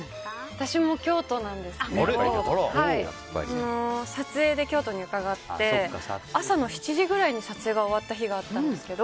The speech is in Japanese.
私も京都なんですけど撮影で京都にうかがって朝の７時くらいに撮影が終わった日があったんですけど。